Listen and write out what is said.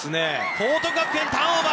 報徳学園、ターンオーバー。